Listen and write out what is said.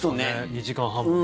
２時間半もね。